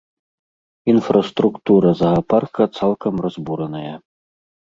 Інфраструктура заапарка цалкам разбураная.